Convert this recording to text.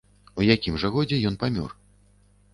У якім жа годзе ён памёр.